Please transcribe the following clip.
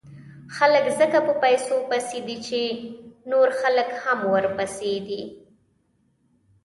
خلک ځکه په پیسو پسې دي، چې نور خلک هم ورپسې دي.